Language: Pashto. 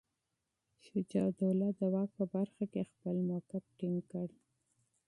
شجاع الدوله د واک په برخه کې خپل موقف ټینګ کړ.